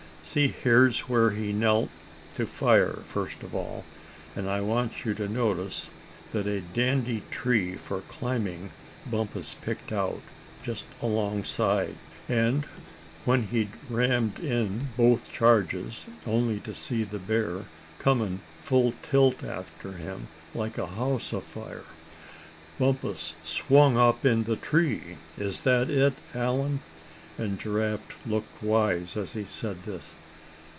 See, here's where he knelt to fire, first of all, and I want you to notice what a dandy tree for climbing Bumpus picked out, just alongside." "And when he'd rammed in both charges, only to see the bear coming full tilt after him, like a house afire, Bumpus swung up in the tree is that it, Allan?" and Giraffe looked wise as he said this.